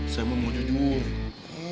saya emang mau jujur